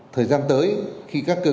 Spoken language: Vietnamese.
thời gian tới khi các cường